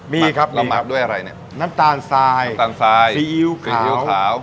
มีครับเราหมักด้วยอะไรเนี่ยน้ำตาลทรายน้ำตาลทรายซีอิ๊วซีอิ๊วขาว